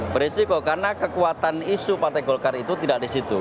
berisiko karena kekuatan isu partai golkar itu tidak di situ